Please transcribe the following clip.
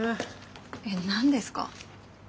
えっ何ですか？